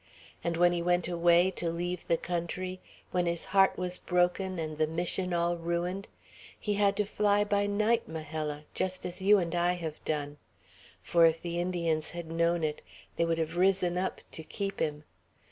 And when he went away, to leave the country, when his heart was broken, and the Mission all ruined, he had to fly by night, Majella, just as you and I have done; for if the Indians had known it, they would have risen up to keep him.